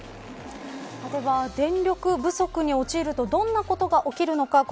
では電力不足に陥るとどんなことが起きるのか。